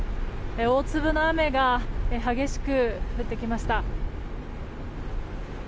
大粒の雨が激しく降ってきました。